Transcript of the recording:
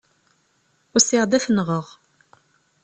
Usiɣ-d ad t-nɣeɣ.